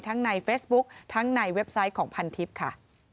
ในเฟซบุ๊คทั้งในเว็บไซต์ของพันทิพย์ค่ะ